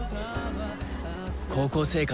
高校生活